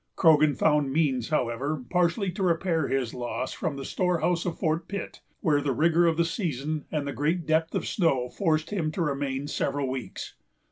Croghan found means, however, partially to repair his loss from the storehouse of Fort Pitt, where the rigor of the season and the great depth of the snow forced him to remain several weeks.